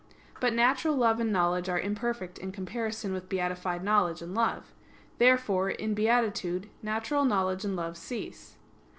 But natural love and knowledge are imperfect in comparison with beatified knowledge and love. Therefore, in beatitude, natural knowledge and love cease.